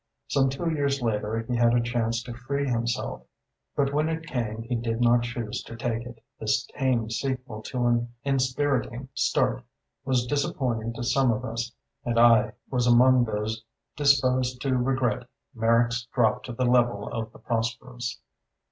Some two years later he had a chance to free himself; but when it came he did not choose to take it. This tame sequel to an inspiriting start was disappointing to some of us, and I was among those disposed to regret Merrick's drop to the level of the prosperous.